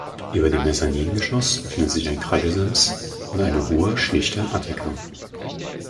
Über dem Mezzaningeschoss befindet sich ein Kraggesims und eine hohe schlichte Attika.